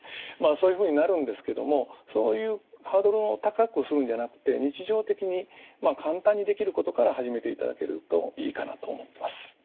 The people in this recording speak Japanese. そういうふうになるんですけどもそういうハードルを高くするんじゃなくて日常的に簡単にできることから始めていただけるといいかなと思ってます。